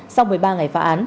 sau một mươi ba ngày phá án